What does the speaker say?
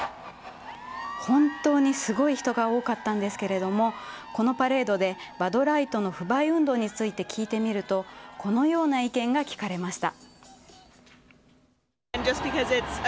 本当にすごい人が多かったんですけどもこのパレードでバドライトの不買運動について聞いてみるとこのような意見が聞かれました。